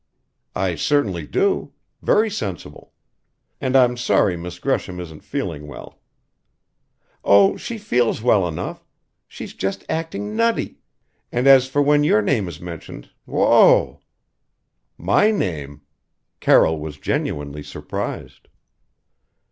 "I certainly do. Very sensible. And I'm sorry Miss Gresham isn't feeling well." "Oh! she feels well enough. She's just acting nutty. And as for when your name is mentioned O o oh!" "My name?" Carroll was genuinely surprised.